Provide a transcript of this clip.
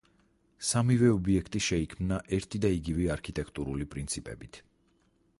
სამივე ობიექტი შეიქმნა ერთიდაიგივე არქიტექტურული პრინციპებით.